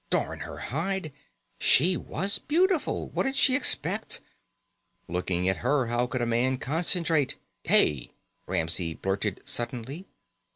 Darn her hide, she was beautiful! What did she expect? Looking at her, how could a man concentrate.... "Hey!" Ramsey blurted suddenly.